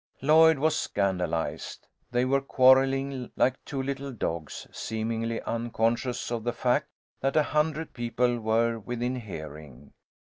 Lloyd was scandalised. They were quarrelling like two little dogs, seemingly unconscious of the fact that a hundred people were within hearing.